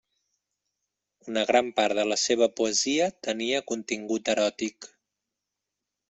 Una gran part de la seva poesia tenia contingut eròtic.